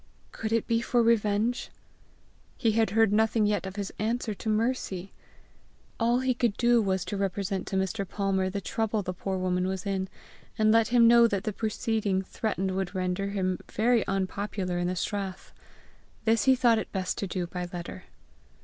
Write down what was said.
Could it be for revenge? He had heard nothing yet of his answer to Mercy! All he could do was to represent to Mr. Palmer the trouble the poor woman was in, and let him know that the proceeding threatened would render him very unpopular in the strath. This he thought it best to do by letter.